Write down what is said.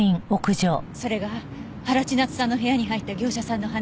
それが原千夏さんの部屋に入った業者さんの話です。